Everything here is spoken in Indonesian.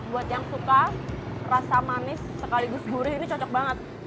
buat yang suka rasa manis sekaligus gurih ini cocok banget